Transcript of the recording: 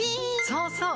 そうそう！